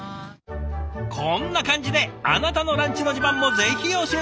こんな感じであなたのランチの自慢もぜひ教えて下さい。